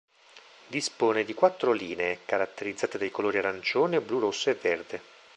Dispone di quattro linee, caratterizzate dai colori arancione, blu, rosso e verde.